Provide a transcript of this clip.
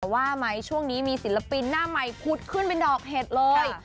ว่าไหมช่วงนี้มีศิลปินหน้าใหม่พุดขึ้นเป็นดอกเห็ดเลย